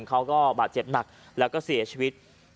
เขาก็บาดเจ็บหนักแล้วก็เสียชีวิต